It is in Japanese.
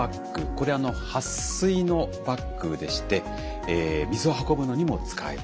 これは撥水のバッグでして水を運ぶのにも使える。